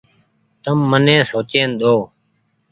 تم ني سوچيئن ۮئو۔